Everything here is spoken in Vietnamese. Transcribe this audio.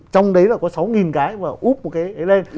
trong đấy là có sáu cái và úp một cái ấy lên